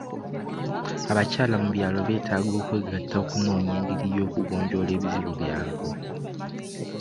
Abakyala mu byalo beetaaga okwegatta okunoonya engeri y'okugonjoola ebizibu byabwe.